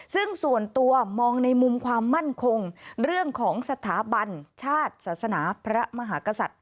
ซึ่งส่วนตัวมองในมุมความมั่นคงเรื่องของสถาบันชาติศาสนาพระมหากษัตริย์